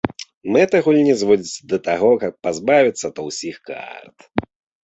Мэта гульні зводзіцца да таго, каб пазбавіцца ад усіх карт.